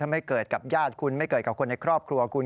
ไม่เกิดกับญาติคุณไม่เกิดกับคนในครอบครัวคุณ